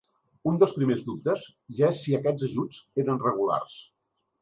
Un dels primers dubtes ja és si aquests ajuts eren regulars.